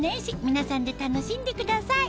皆さんで楽しんでください！